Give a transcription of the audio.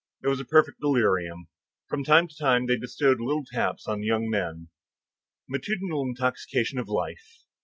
It was a perfect delirium. From time to time they bestowed little taps on the young men. Matutinal intoxication of life!